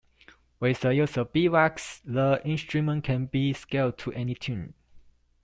With the use of beeswax, the instrument can be scaled to any tune.